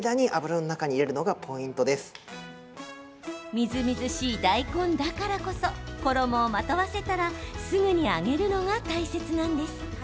みずみずしい大根だからこそ衣をまとわせたらすぐに揚げるのが大切なんです。